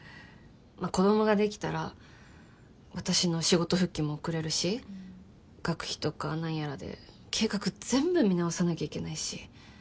子供ができたら私の仕事復帰も遅れるし学費とか何やらで計画全部見直さなきゃいけないし。